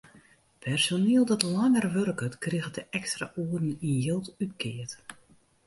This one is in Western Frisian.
Personiel dat langer wurket, kriget de ekstra oeren yn jild útkeard.